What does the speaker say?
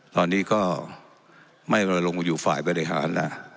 ตอนนี้ก็ไม่อยู่ฝ่ายบริหารนะ